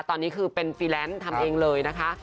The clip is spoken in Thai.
ตอนนี้คือเป็นฟรีแลนซ์ทำเองเลยนะคะ